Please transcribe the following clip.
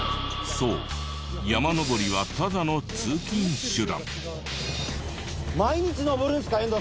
そう山登りはただの通勤手段。